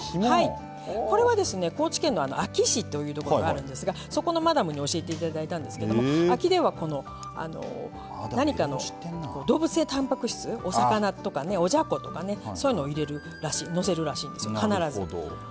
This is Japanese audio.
これは高知県の安芸市というところがあるんですがそこのマダムに教えていただいたんですけど安芸では動物性たんぱく質お魚とか、おじゃことかそういうのをのせるらしいです必ず。